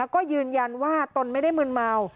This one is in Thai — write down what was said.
ก็ยืนยันว่าตนไม่ได้มืนเมา